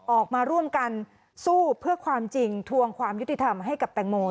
ออกมาร่วมกันสู้เพื่อความจริงทวงความยุติธรรมให้กับแตงโม